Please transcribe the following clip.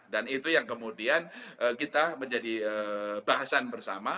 dan itu yang kemudian kita menjadi bahasan bersama